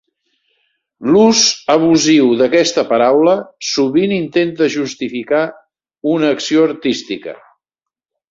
L'ús abusiu d'aquesta paraula sovint intenta justificar una acció artística.